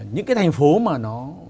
những cái thành phố mà nó